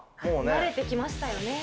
慣れてきましたよね。